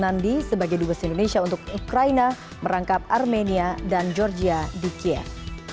di indonesia andi sebagai dubes indonesia untuk ukraina merangkap armenia dan georgia di kiev